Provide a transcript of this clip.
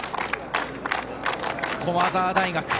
駒澤大学